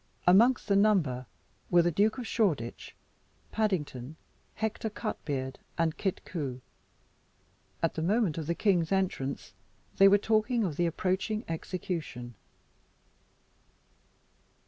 Amongst the number were the Duke of Shoreditch, Paddington, Hector Cutbeard, and Kit Coo. At the moment of the king's entrance, they were talking of the approaching execution.